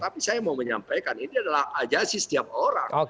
tapi saya mau menyampaikan ini adalah ajasi setiap orang